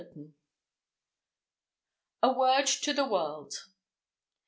] 162 A WORD TO THE WORLD.